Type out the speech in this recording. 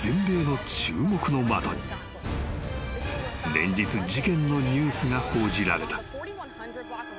［連日事件のニュースが報じられた］